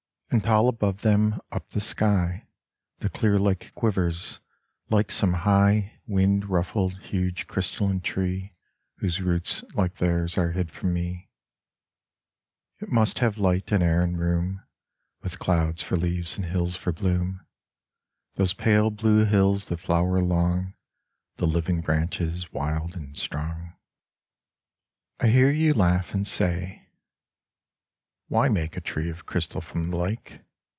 And tall above them up the sky The clear lake quivers like some high Wind ruffled huge crystalline tree Whose roots like theirs are hid from me. It must have light and air and room, With clouds for leaves and hills for bloom, Those pale blue hills that flower along The living branches wild and strong 1 — 28 Letter to an Aviator in France I hear you laugh and say, " Why make A tree of crystal from the lake?